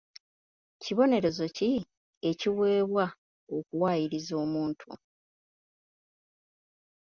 Kibonerezo ki ekiweebwa okuwaayiriza omuntu?